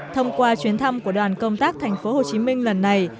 thông qua chuyến thăm của đoàn công tác thành phố hồ chí minh lần này